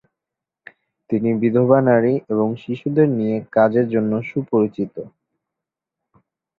তিনি বিধবা নারী এবং শিশুদের নিয়ে কাজের জন্য সুপরিচিত।